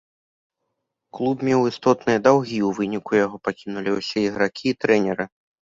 Клуб меў істотныя даўгі, у выніку яго пакінулі ўсе ігракі і трэнеры.